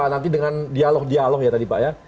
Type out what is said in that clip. nanti dengan dialog dialog ya tadi pak ya